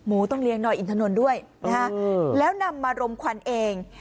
หมูต้องเลี้ยงหน่อยอินทนนด้วยแล้วนำมารมควันเอง